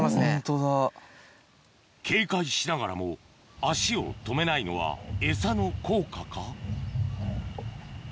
警戒しながらも足を止めないのはエサの効果か？